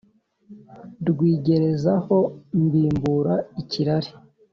Rwigerezaho mbimbura ikirari